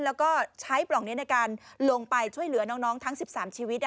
แล้วก็ใช้ปล่องนี้ในการลงไปช่วยเหลือน้องทั้ง๑๓ชีวิต